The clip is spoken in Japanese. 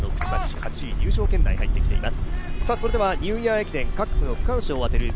８位入賞圏内に入ってきています。